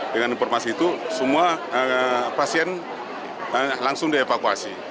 dengan informasi itu semua pasien langsung dievakuasi